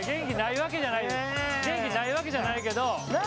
元気ないわけじゃないけど。